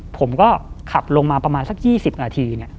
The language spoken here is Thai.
ผมก็ขับลงมาประมาณสัก๒๐นาที